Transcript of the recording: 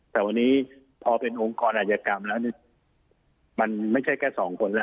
แต่วันนี้พอเป็นองค์อังกฐาอาญกรรมแล้วมันไม่ใช่แก้๒คนนะ